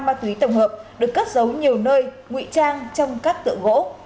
ma túy tổng hợp được cất giấu nhiều nơi ngụy trang trong các tựa gỗ